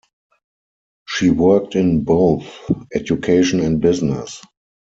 She worked in both education and business.